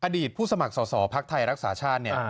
อดีตผู้สมัครสอสอภักดิ์ไทยรักษาชาติเนี่ย